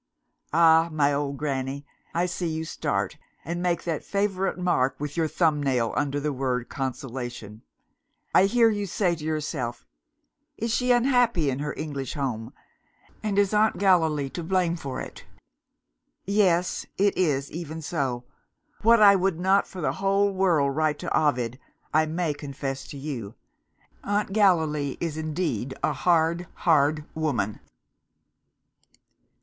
"Ah, my old granny, I see you start, and make that favourite mark with your thumb nail under the word 'consolation'! I hear you say to yourself, 'Is she unhappy in her English home? And is Aunt Gallilee to blame for it?' Yes! it is even so. What I would not for the whole world write to Ovid, I may confess to you. Aunt Gallilee is indeed a hard, hard woman.